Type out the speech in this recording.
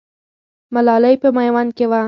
ملالۍ په میوند کې وه.